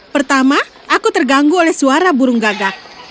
pertama aku terganggu oleh suara burung gagak